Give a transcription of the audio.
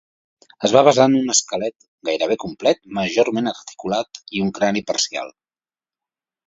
Es va basar en un esquelet gairebé complet majorment articulat i un crani parcial.